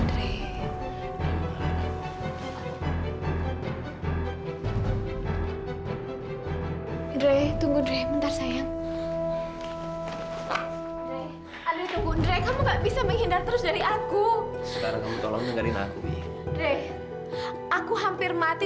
ndre tunggu ndre bentar sayang ndre kamu nggak bisa menghindar terus dari aku sekarang aku hampir mati